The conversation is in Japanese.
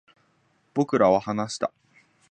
僕らは話した